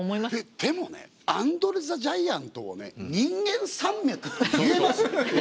でもねアンドレ・ザ・ジャイアントを「人間山脈」って言えます？